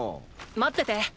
待ってて。